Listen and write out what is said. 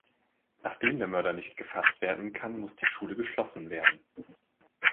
Nachdem der Mörder nicht gefasst werden kann, muss die Schule geschlossen werden.